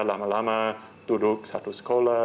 lama lama duduk satu sekolah